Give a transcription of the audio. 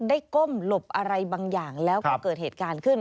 ก้มหลบอะไรบางอย่างแล้วก็เกิดเหตุการณ์ขึ้น